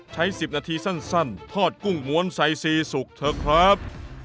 ใช้๑๐นาทีสั้นทอดกุ้งม้วนไซซีสุกเถอะครับ